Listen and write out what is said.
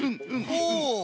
ほう。